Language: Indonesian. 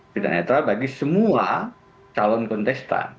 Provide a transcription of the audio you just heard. tidak netral bagi semua calon kontestan